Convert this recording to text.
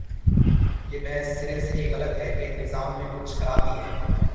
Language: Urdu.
یہ بحث سرے سے ہی غلط ہے کہ نظام میں کچھ خرابی ہے۔